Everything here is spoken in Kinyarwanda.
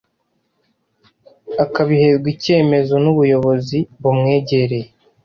akabiherwa icyemezo nubuyobozi bumwegereye